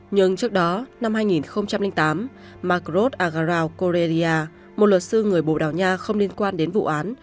nhưng trước đó năm hai nghìn tám mark roth agarau correia một luật sư người bồ đào nha không liên quan đến vụ án